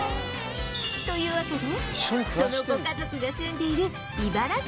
というわけでそのご家族が住んでいる茨城県へ